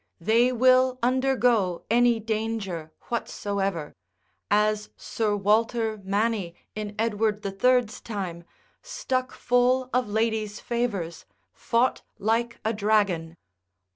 They will undergo any danger whatsoever, as Sir Walter Manny in Edward the Third's time, stuck full of ladies' favours, fought like a dragon.